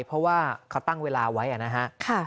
เพราะว่าเขาตั้งเวลาไว้นะฮะ